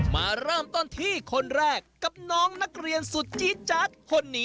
มาเริ่มต้นที่คนแรกกับท่านเป็นสุดจี๊ดจักร